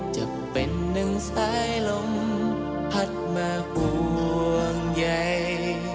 จะเป็นหนึ่งสายลมพัดมาห่วงใหญ่